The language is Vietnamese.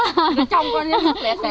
trong có nước lẹ lẹ